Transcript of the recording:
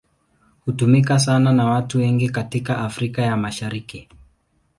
Hutumika sana na watu wengi katika Afrika ya Mashariki.